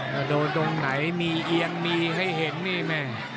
ว่าโดนตรงไหนมีเอียงมีให้เห็นนี่แม่